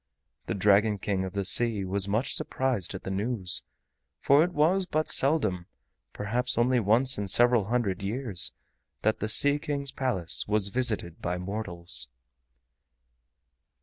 The Dragon King of the Sea was much surprised at the news, for it was but seldom, perhaps only once in several hundred years, that the Sea King's Palace was visited by mortals.